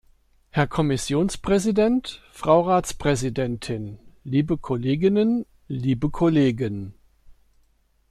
Herr Kommissionspräsident, Frau Ratspräsidentin, liebe Kolleginnen, liebe Kollegen!